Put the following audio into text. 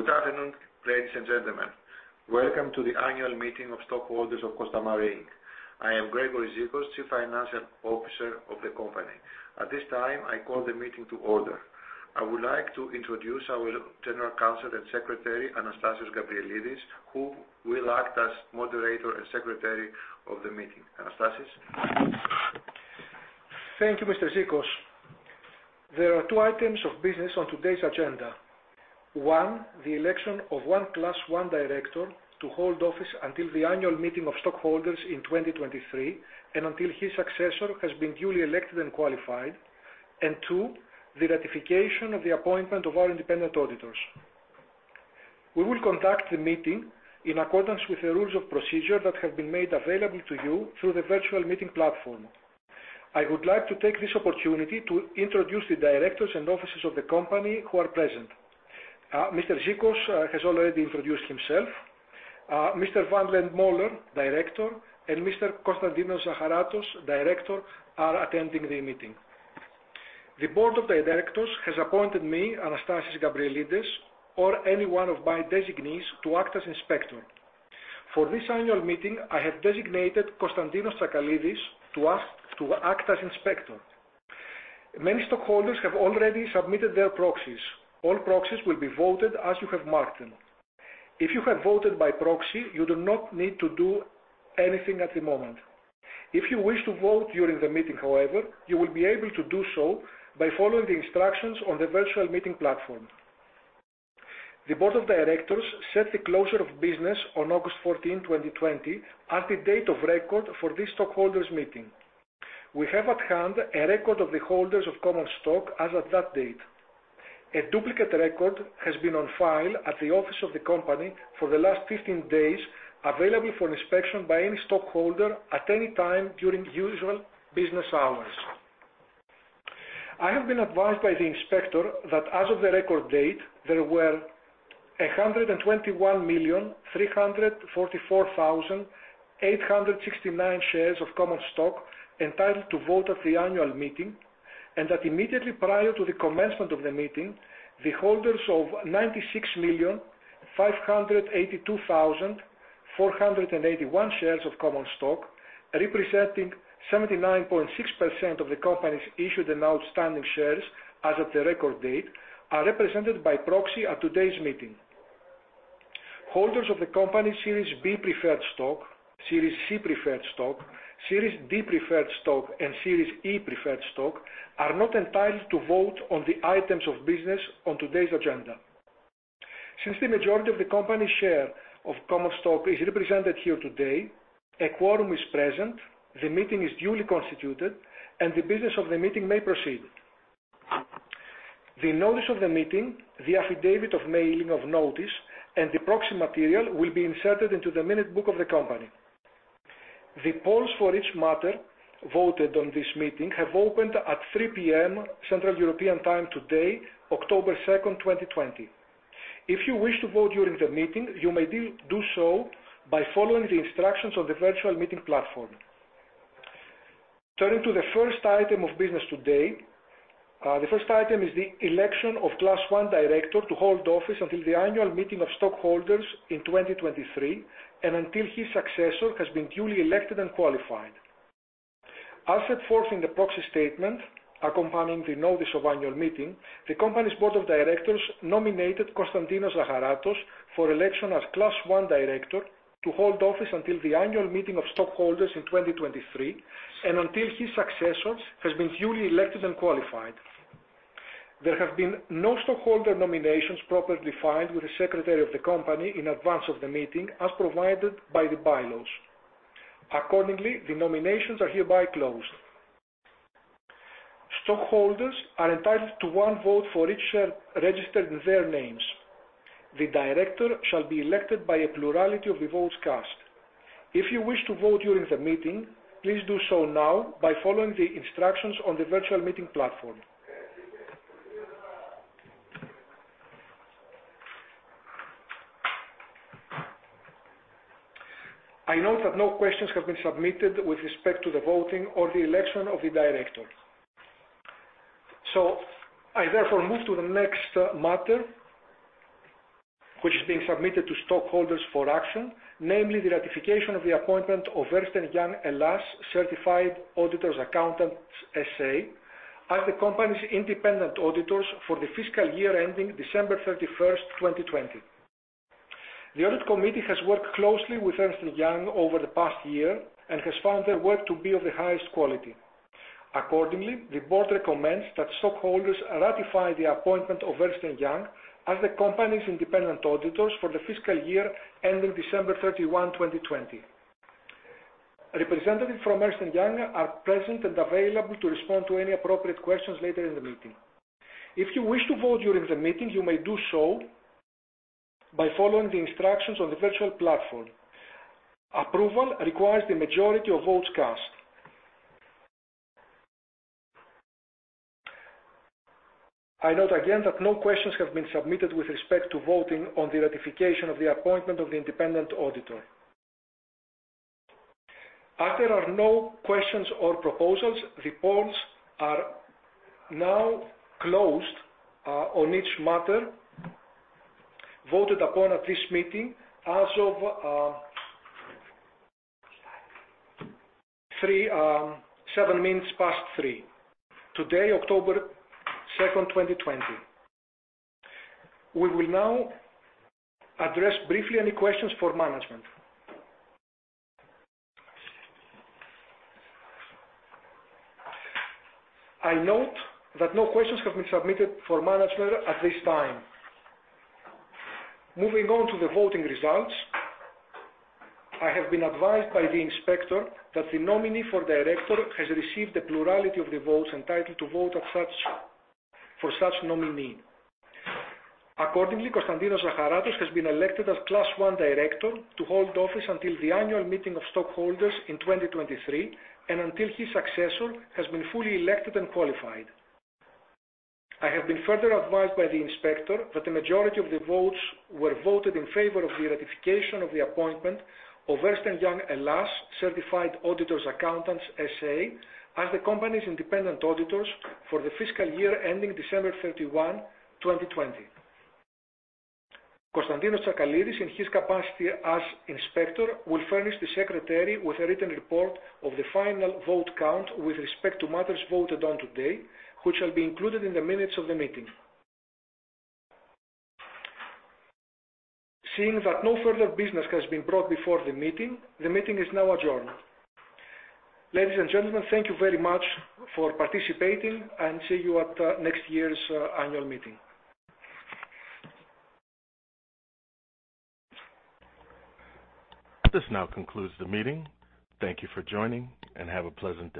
Good afternoon, ladies and gentlemen. Welcome to the annual meeting of stockholders of Costamare Inc. I am Gregory Zikos, Chief Financial Officer of the company. At this time, I call the meeting to order. I would like to introduce our General Counsel and Secretary, Anastassios Gabrielides, who will act as moderator and secretary of the meeting. Anastassios. Thank you, Mr. Zikos. There are two items of business on today's agenda. One, the election of one Class I Director to hold office until the annual meeting of stockholders in 2023, and until his successor has been duly elected and qualified. Two, the ratification of the appointment of our independent auditors. We will conduct the meeting in accordance with the rules of procedure that have been made available to you through the virtual meeting platform. I would like to take this opportunity to introduce the directors and officers of the company who are present. Mr. Zikos has already introduced himself, Mr. Vagn Lehd Møller, director, and Mr. Konstantinos Zacharatos, director, are attending the meeting. The Board of Directors has appointed me, Anastassios Gabrielides, or any one of my designees to act as inspector. For this annual meeting, I have designated Konstantinos Tsakalidis to act as inspector. Many stockholders have already submitted their proxies. All proxies will be voted as you have marked them. If you have voted by proxy, you do not need to do anything at the moment. If you wish to vote during the meeting, however, you will be able to do so by following the instructions on the virtual meeting platform. The board of directors set the closure of business on August 14, 2020, as the date of record for this stockholders meeting. We have at hand a record of the holders of common stock as of that date. A duplicate record has been on file at the office of the company for the last 15 days, available for inspection by any stockholder at any time during usual business hours. I have been advised by the inspector that as of the record date, there were 121,344,869 shares of common stock entitled to vote at the annual meeting, and that immediately prior to the commencement of the meeting, the holders of 96,582,481 shares of common stock, representing 79.6% of the company's issued and outstanding shares as of the record date, are represented by proxy at today's meeting. Holders of the company's Series B Preferred Stock, Series C Preferred Stock, Series D Preferred Stock, and Series E Preferred Stock are not entitled to vote on the items of business on today's agenda. Since the majority of the company's share of common stock is represented here today, a quorum is present, the meeting is duly constituted, and the business of the meeting may proceed. The notice of the meeting, the affidavit of mailing of notice, and the proxy material will be inserted into the minute book of the company. The polls for each matter voted on this meeting have opened at 3:00 p.m. Central European Time today, October 2nd, 2020. If you wish to vote during the meeting, you may do so by following the instructions on the virtual meeting platform. Turning to the first item of business today. The first item is the election of Class I Director to hold office until the annual meeting of stockholders in 2023, and until his successor has been duly elected and qualified. As set forth in the proxy statement accompanying the notice of annual meeting, the company's Board of Directors nominated Konstantinos Zacharatos for election as Class I Director to hold office until the annual meeting of stockholders in 2023, and until his successor has been duly elected and qualified. There have been no stockholder nominations properly filed with the secretary of the company in advance of the meeting, as provided by the bylaws. Accordingly, the nominations are hereby closed. Stockholders are entitled to one vote for each share registered in their names. The director shall be elected by a plurality of the votes cast. If you wish to vote during the meeting, please do so now by following the instructions on the virtual meeting platform. I note that no questions have been submitted with respect to the voting or the election of the director. I therefore move to the next matter, which is being submitted to stockholders for action. Namely, the ratification of the appointment of Ernst & Young Hellas Certified Auditors Accountants S.A. as the company's independent auditors for the fiscal year ending December 31st, 2020. The audit committee has worked closely with Ernst & Young over the past year and has found their work to be of the highest quality. Accordingly, the board recommends that stockholders ratify the appointment of Ernst & Young as the company's independent auditors for the fiscal year ending December 31, 2020. Representatives from Ernst & Young are present and available to respond to any appropriate questions later in the meeting. If you wish to vote during the meeting, you may do so by following the instructions on the virtual platform. Approval requires the majority of votes cast. I note again that no questions have been submitted with respect to voting on the ratification of the appointment of the independent auditor. As there are no questions or proposals, the polls are now closed on each matter voted upon at this meeting as of 3:07 P.M. Today, October 2nd, 2020. We will now address briefly any questions for management. I note that no questions have been submitted for management at this time. Moving on to the voting results, I have been advised by the inspector that the nominee for Director has received the plurality of the votes entitled to vote for such nominee. Accordingly, Konstantinos Zacharatos has been elected as Class I Director to hold office until the annual meeting of stockholders in 2023, and until his successor has been fully elected and qualified. I have been further advised by the inspector that the majority of the votes were voted in favor of the ratification of the appointment of Ernst & Young Hellas Certified Auditors Accountants S.A. as the company's independent auditors for the fiscal year ending December 31, 2020. Konstantinos Zacharatos in his capacity as inspector will furnish the secretary with a written report of the final vote count with respect to matters voted on today, which shall be included in the minutes of the meeting. Seeing that no further business has been brought before the meeting, the meeting is now adjourned. Ladies and gentlemen, thank you very much for participating and see you at next year's annual meeting. This now concludes the meeting. Thank you for joining and have a pleasant day.